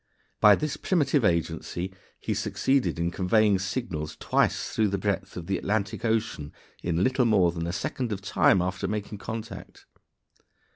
By this primitive agency he succeeded in conveying signals twice through the breadth of the Atlantic Ocean in little more than a second of time after making contact.